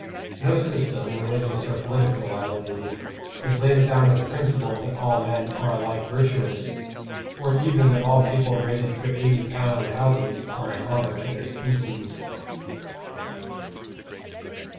No system, religious or political, I believe, has laid it down as a principle that all men are alike virtuous, or even that all the people rated for £80 houses are an honor to their species.